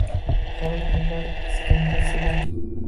Qaro kunlar iskanjasidan